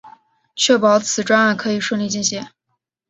确保此专案可以顺利进行